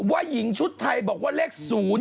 ว่าหญิงชุดไทยบอกว่าเลข๐